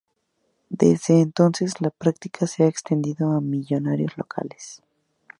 Desde entonces la práctica se ha extendido a millonarios locales.